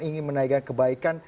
ingin menaikkan kebaikan